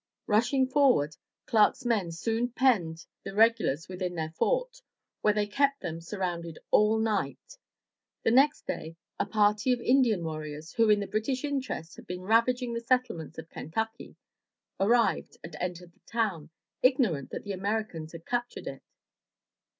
Rushing forward, Clark's men soon penned the regulars within their fort, where they kept them surrounded all night. The next day a party of Indian warriors, who in the British interest had been ravaging the settlements of Kentucky, arrived and entered the town, ignorant that the Amer icans had captured it.